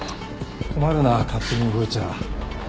困るな勝手に動いちゃ。